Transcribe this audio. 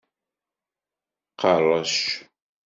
Qerrec.